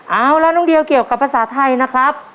เอาละน้องเดียวเกี่ยวกับภาษาไทยนะครับ